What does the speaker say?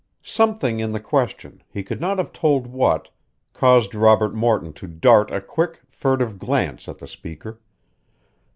Something in the question, he could not have told what, caused Robert Morton to dart a quick, furtive glance at the speaker.